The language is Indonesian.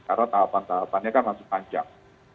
karena tahapan tahapannya kan masih panjang